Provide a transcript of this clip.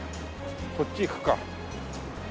こっち行くか。